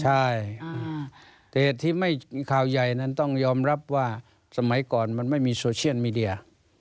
ใช่เหตุที่ข่าวใหญ่นั้นต้องยอมรับว่าสมัยก่อนมันไม่มีโซเชียลมีเดีย